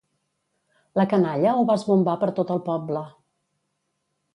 la canalla ho va esbombar per tot el poble